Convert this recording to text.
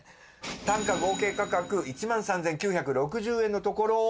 単価合計価格１万３９６０円のところを。